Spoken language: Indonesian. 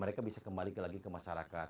mereka bisa kembali lagi ke masyarakat